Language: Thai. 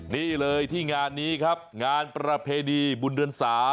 นี่เลยที่งานนี้ครับงานประเพณีบุญเดือน๓